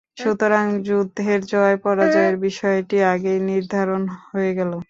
সুতরাং যুদ্ধের জয়-পরাজয়ের বিষয়টি আগেই নির্ধারণ হয়ে গেল।